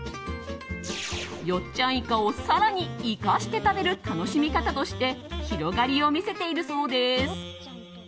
よっちゃんイカを更にイカして食べる楽しみ方として広がりを見せているそうです。